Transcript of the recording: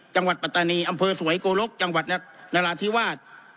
ปัตตานีอำเภอสวยโกลกจังหวัดนราธิวาส